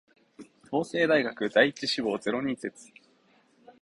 法政大学第一志望ゼロ人説